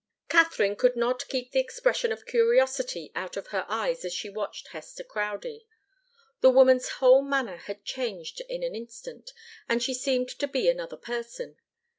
Katharine could not keep the expression of curiosity out of her eyes as she watched Hester Crowdie. The woman's whole manner had changed in an instant, and she seemed to be another person.